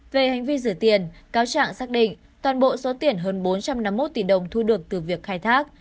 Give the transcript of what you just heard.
về hành vi rửa tiền cáo trạng xác định toàn bộ số tiền hơn bốn trăm năm mươi một tỷ đồng thu được từ việc khai thác